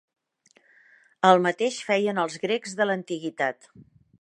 El mateix feien els grecs de l'antiguitat.